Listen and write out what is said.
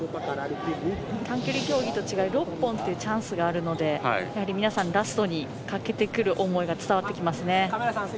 短距離競技と違い６本というチャンスがあるので皆さん、ラストにかけてくる思いが伝わってきますね。